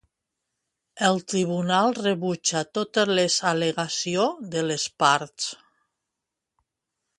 El tribunal rebutja totes les al·legació de les parts.